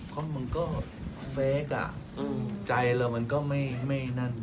เพราะมันก็เฟคอ่ะใจเรามันก็ไม่นั่น